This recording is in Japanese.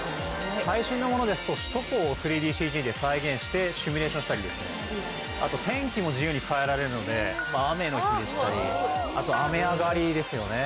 最新のものですと首都高を３ＤＣＧで再現してシミュレーションしたりあと天気も自由に変えられるので雨の日でしたりあと雨上がりですよね